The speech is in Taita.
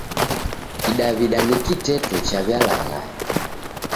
Kidaw'ida ni kiteto chaw'ialaghaya.